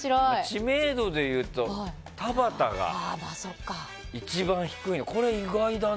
知名度でいうと田畑が一番低いんだ。